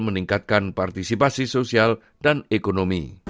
meningkatkan partisipasi sosial dan ekonomi